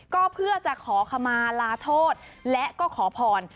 ก็เพื่อจะขอขมาลาโทษและก็ขอพร